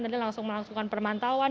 dan dia langsung melaksukkan permantauan